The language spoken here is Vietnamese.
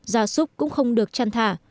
già súc cũng không được chăn thả